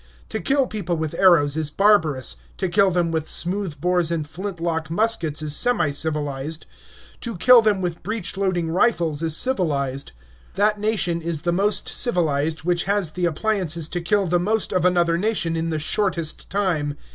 To kill people with arrows is barbarous; to kill them with smooth bores and flintlock muskets is semi civilized; to kill them with breech loading rifles is civilized. That nation is the most civilized which has the appliances to kill the most of another nation in the shortest time.